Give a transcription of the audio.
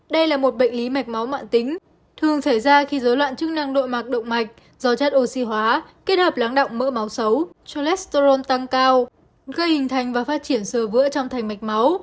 đây là một bệnh lý mạch máu mạng tính thường xảy ra khi dấu loạn chức năng đội mạch động mạch do chất oxy hóa kết hợp láng động mỡ máu xấu cholesterol tăng cao gây hình thành và phát triển sơ vữa trong thành mạch máu